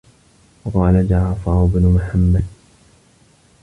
وَقَالَ جَعْفَرُ بْنُ مُحَمَّدٍ